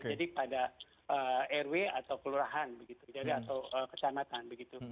jadi pada rw atau kecamatan